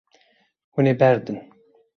Hûn ê berdin.